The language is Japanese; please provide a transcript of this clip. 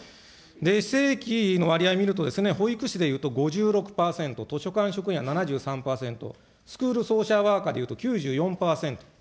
非正規の割合見ると、保育士でいうと５６％、図書館職員は７３％、スクールソーシャルワーカーでいうと９４％。